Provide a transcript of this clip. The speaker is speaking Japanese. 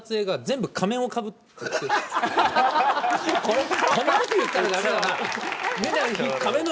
こんな事言ったらダメだな。